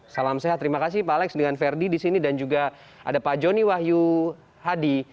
salam sehat terima kasih pak alex dengan verdi di sini dan juga ada pak joni wahyu hadi